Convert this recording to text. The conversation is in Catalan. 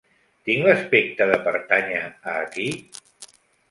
Tinc l'aspecte de pertànyer a aquí?